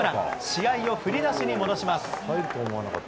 試合を振り出しに戻します。